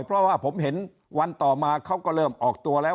เพราะว่าผมเห็นวันต่อมาเขาก็เริ่มออกตัวแล้ว